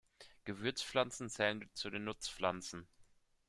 Gewürzpflanzen zählen zu den Nutzpflanzen.